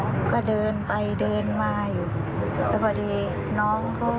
แล้วก็ก็เดินไปเดินมาอยู่